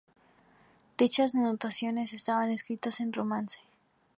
Dichas anotaciones estaban escritas en romance.